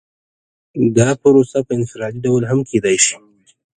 دا پروسه په انفرادي ډول هم کیدای شي.